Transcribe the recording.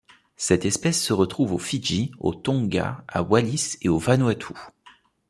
Cette espèce se rencontre aux Fidji, aux Tonga, à Wallis et aux Vanuatu.